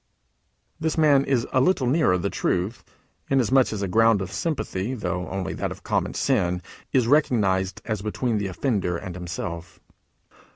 This man is a little nearer the truth, inasmuch as a ground of sympathy, though only that of common sin, is recognized as between the offender and himself.